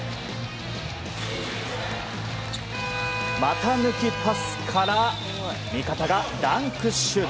股抜きパスから味方がダンクシュート。